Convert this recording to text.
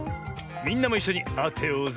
みんなもいっしょにあてようぜ。